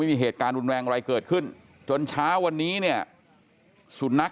ไม่มีเหตุการณ์รุนแรงอะไรเกิดขึ้นจนเช้าวันนี้เนี่ยสุนัข